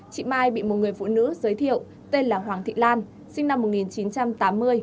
chị mai bị một người phụ nữ giới thiệu tên là hoàng thị lan sinh năm một nghìn chín trăm tám mươi